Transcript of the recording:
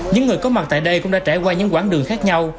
những người có mặt tại đây cũng đã trải qua những quãng đường khác nhau